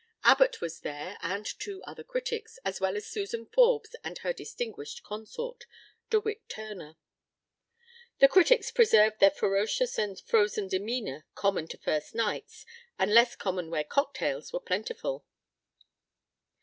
Abbott was there and two other critics, as well as Suzan Forbes and her distinguished consort, De Witt Turner. The critics preserved their ferocious and frozen demeanor common to first nights and less common where cocktails were plentiful.